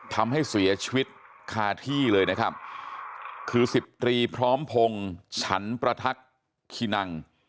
ทำให้เสียชีวิตคาที่เลยนะครับคือสิบตรีพร้อมพงศ์ฉันประทักษ์คินัง